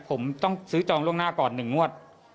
ผมต้องซื้อจองล่วงหน้าก่อน๑งวด